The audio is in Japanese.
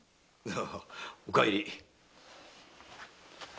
お帰り。